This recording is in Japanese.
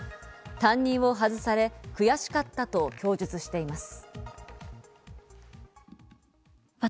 担任を外され、悔しかったと供述しています。